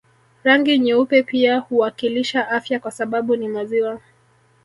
Rangi nyeupe pia huwakilisha afya kwa sababu ni maziwa